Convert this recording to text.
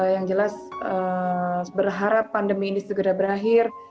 yang jelas berharap pandemi ini segera berakhir